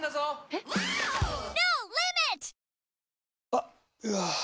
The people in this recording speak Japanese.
あっ、うわー。